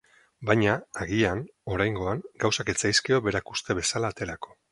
Baina, agian, oraingoan, gauzak ez zaizkio berak uste bezala aterako.